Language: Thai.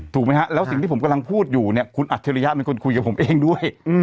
ถูกไหมฮะแล้วสิ่งที่ผมกำลังพูดอยู่เนี่ยคุณอัจฉริยะเป็นคนคุยกับผมเองด้วย